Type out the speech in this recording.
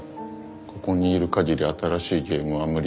ここにいる限り新しいゲームは無理だ。